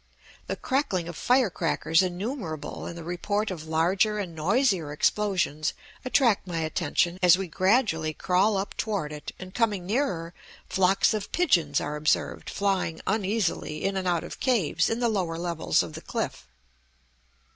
The crackling of fire crackers innumerable and the report of larger and noisier explosions attract my attention as we gradually crawl up toward it; and coming nearer, flocks of pigeons are observed flying uneasily in and out of caves in the lower levels of the cliff.